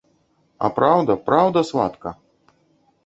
А праўда, праўда, сватка!